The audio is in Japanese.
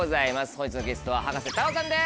本日のゲストは葉加瀬太郎さんです。